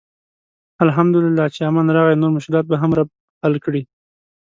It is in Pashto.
الحمدالله چې امن راغی، نور مشکلات به هم رب حل کړي.